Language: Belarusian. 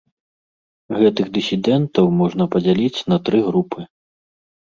Гэтых дысідэнтаў можна падзяліць на тры групы.